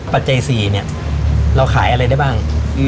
ปัจจัย๔เนี่ยเราขายอะไรได้บ้าง